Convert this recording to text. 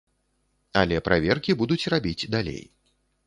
Але праверкі будуць рабіць далей.